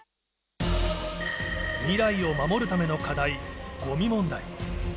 未来を守るための課題、ごみ問題。